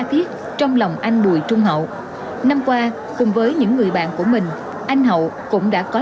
viết trong lòng anh bùi trung hậu năm qua cùng với những người bạn của mình anh hậu cũng đã có